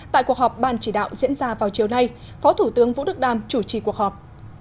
tại cuộc họp ban chỉ đạo diễn ra vào chiều nay phó thủ tướng vũ đức đam chủ trì cuộc họp